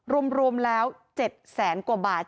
รวมแล้ว๗แสนกว่าบาท